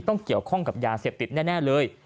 เกี่ยวข้องกับยาเสพติดแน่เลย